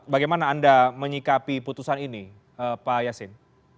bagaimana anda menyikapi putusan ini pak yasin